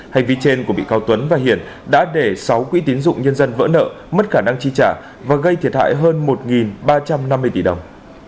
hành vi trên của bị cáo tuấn và hiển đã để sáu quỹ tín dụng nhân dân vỡ nợ mất khả năng chi trả và gây thiệt hại hơn một ba trăm năm mươi tỷ đồng